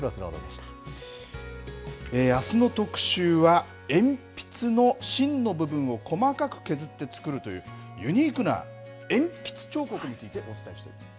あすの特集は、鉛筆の芯の部分を細かく削って作るという、ユニークな鉛筆彫刻について、お伝えしていきます。